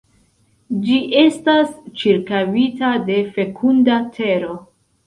Ĝi estas ĉirkaŭita de fekunda tero.